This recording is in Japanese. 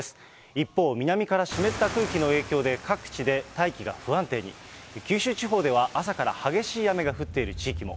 一方、南から湿った空気の影響で、各地で大気が不安定に。九州地方では朝から激しい雨が降っている地域も。